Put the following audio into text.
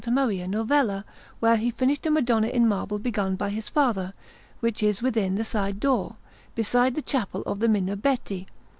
Maria Novella, where he finished a Madonna in marble begun by his father, which is within the side door, beside the Chapel of the Minerbetti.